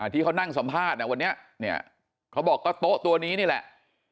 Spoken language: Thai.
ที่เขานั่งสัมภาษณ์วันนี้เนี่ยเขาบอกก็โต๊ะตัวนี้นี่แหละ